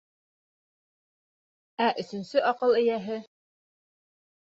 Ә өсөнсө аҡыл эйәһе: